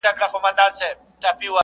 لويي له خداى سره ښايي.